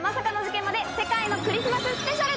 クリスマススペシャル！